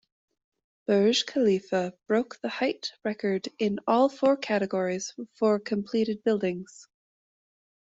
Burj Khalifa broke the height record in all four categories for completed buildings.